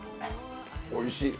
おいしい。